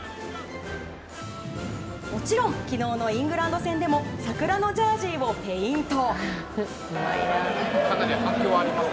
もちろん昨日のイングランド戦でも桜のジャージーをペイント。